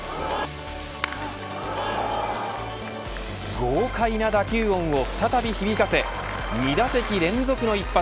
豪快な打球音を再び響かせ打席連続の一発。